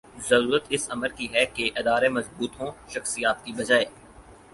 ضرورت اس امر کی ہے کہ ادارے مضبوط ہوں ’’ شخصیات ‘‘ کی بجائے